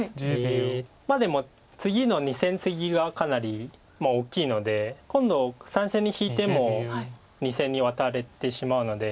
まあでも次の２線ツギがかなり大きいので今度３線に引いても２線にワタれてしまうので。